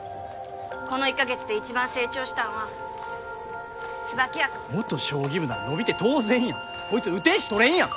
この１カ月で一番成長したんは椿谷くん元将棋部なら伸びて当然やんこいつ打てんし捕れんやん